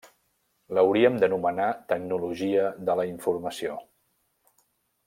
L'hauríem d'anomenar tecnologia de la informació.